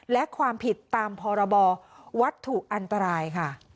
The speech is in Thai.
และความผิดตามพรบวัตถุอันตรายค่ะ